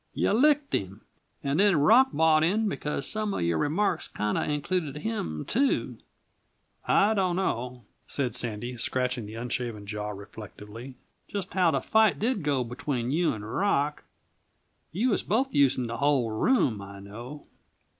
You licked him and then Rock bought in because some of your remarks kinda included him too. I d' know," said Sandy, scratching his unshaven jaw reflectively, "just how the fight did go between you 'n' Rock. You was both using the whole room, I know.